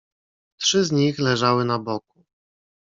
"Trzy z nich leżały na boku."